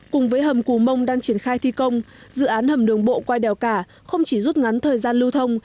cùng với hầm cù mông đang triển khai thi công dự án hầm đường bộ qua đèo cả không chỉ rút ngắn thời gian lưu thông